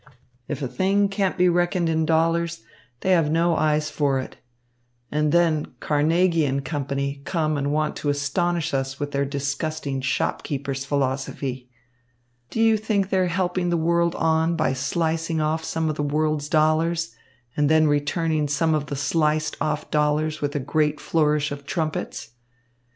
If a thing can't be reckoned in dollars, they have no eyes for it. And then Carnegie and Company come and want to astonish us with their disgusting shopkeeper's philosophy. Do you think they're helping the world on by slicing off some of the world's dollars and then returning some of the sliced off dollars with a great flourish of trumpets?